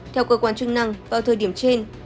theo cơ quan chức năng vào thời điểm trên